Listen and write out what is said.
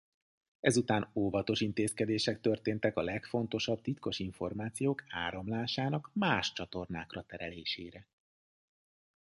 Ezután óvatos intézkedések történtek a legfontosabb titkos információk áramlásának más csatornákra terelésére.